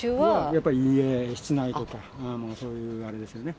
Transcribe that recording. やっぱり家、室内とか、そういうあれですよね。